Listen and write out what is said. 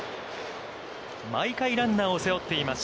毎回ランナーを背負っています